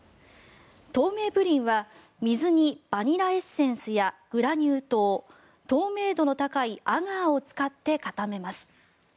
透明プリンは、水にバニラエッセンスやグラニュー糖透明度の高いアガーを使って固めます。